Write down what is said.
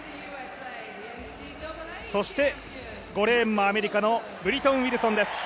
そして、５レーンもアメリカブリトン・ウィルソンです。